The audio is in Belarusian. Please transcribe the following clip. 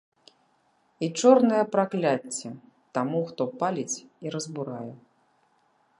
І чорнае пракляцце таму, хто паліць і разбурае!